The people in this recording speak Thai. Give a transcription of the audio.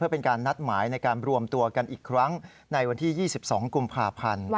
เป็นการนัดหมายในการรวมตัวกันอีกครั้งในวันที่๒๒กุมภาพันธ์